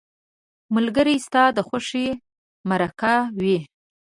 ملګری ستا د خوښۍ مرکه وي